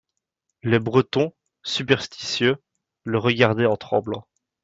Les Bretons, superstitieux, le regardaient en tremblant.